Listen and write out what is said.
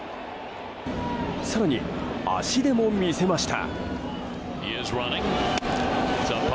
更に、足でも魅せました。